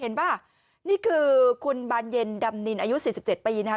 ป่ะนี่คือคุณบานเย็นดำนินอายุ๔๗ปีนะครับ